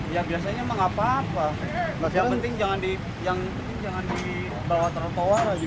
ya biasanya emang apa apa yang penting jangan dibawa trotoar lagi